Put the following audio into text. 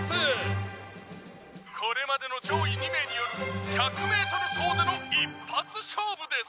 「これまでの上位２名による１００メートル走での一発勝負です！」